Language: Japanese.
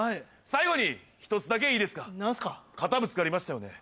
最後に一つだけいいですかなんすか肩ぶつかりましたよね